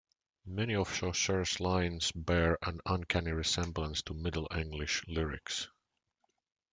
Many of Chaucer's lines bear an uncanny resemblance to Middle English Lyrics.